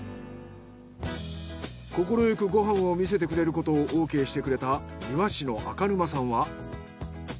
快くご飯を見せてくれることをオーケーしてくれた庭師の赤沼さんは。